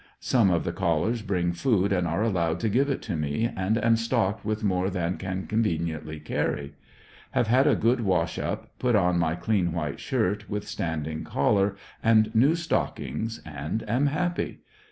Some of the callers bring food and are allowed to give it to me, and am stocked with more than can conveniently carry. Have had a good wash up, put on my clean white shirt with standing collar, and new stockings and am happy.